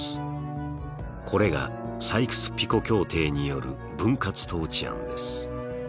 これがサイクス・ピコ協定による分割統治案です。